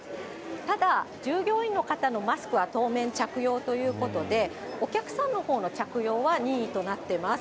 ただ、従業員の方のマスクは当面着用ということで、お客さんのほうの着用は任意となってます。